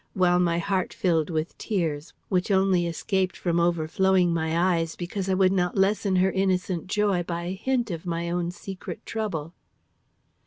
while my heart filled with tears, which only escaped from overflowing my eyes, because I would not lessen her innocent joy by a hint of my own secret trouble.